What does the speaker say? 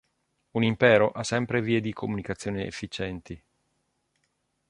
Un impero ha sempre vie di comunicazione efficienti.